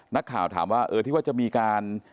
นักข่าวถามว่าเออที่ว่าจะมีการ